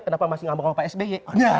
kenapa masih ngomong sama pak sby